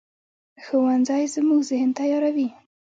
ښوونځی زموږ ذهن تیاروي